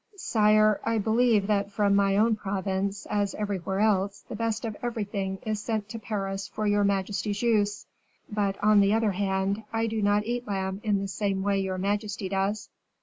"Sire, I believe that from my own province, as everywhere else, the best of everything is sent to Paris for your majesty's use; but, on the other hand, I do not eat lamb in the same way your majesty does."